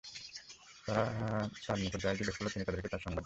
তারা তাঁর নিকট যা-ই জিজ্ঞেস করল, তিনি তাদেরকে তার সংবাদ দিলেন।